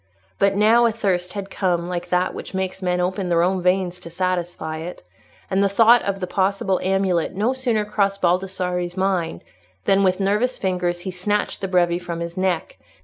But now a thirst had come like that which makes men open their own veins to satisfy it, and the thought of the possible amulet no sooner crossed Baldassarre's mind than with nervous fingers he snatched the breve from his neck.